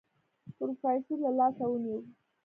پروفيسر له لاسه ونيو.